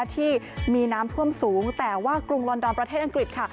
ที่มีน้ำท่วมสูงแต่ว่ากรุงลอนดอนประเทศอังกฤษค่ะ